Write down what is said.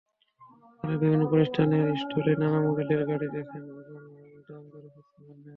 তাঁরা বিভিন্ন প্রতিষ্ঠানের স্টলে নানা মডেলের গাড়ি দেখেন এবং দামদরের খোঁজখবর নেন।